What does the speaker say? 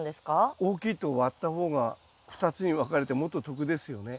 大きいと割った方が２つに分かれてもっと得ですよね。